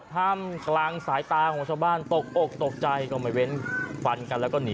ท่ามกลางสายตาของชาวบ้านตกอกตกใจก็ไม่เว้นฟันกันแล้วก็หนี